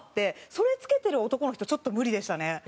それ着けてる男の人ちょっと無理でしたね。